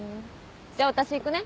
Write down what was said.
じゃあ私行くね。